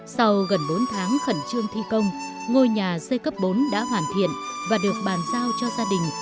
sau gần bốn tháng khẩn trương thi công ngôi nhà xây cấp bốn đã hoàn thiện và được bàn giao cho gia đình